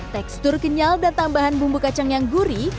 tekstur kenyal dan tambahan bumbu kacang yang gurih